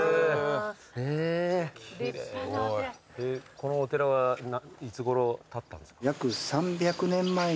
このお寺はいつごろ建ったんですか？